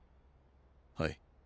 はい。